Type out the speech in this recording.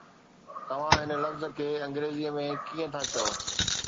توهان هن لفظ کي انگريزيءَ ۾ ڪيئن ٿا چئو؟